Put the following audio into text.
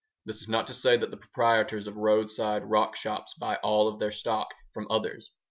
This is not to say that the proprietors of roadside rock shops buy all of their stock from others.